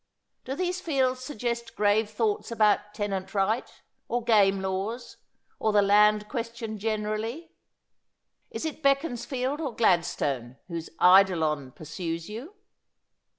' Do these fields suggest grave thoughts about tenant right or game laws, or the land question generally ? Is it Beaconsfield or Gladstone whose eidolon pursues you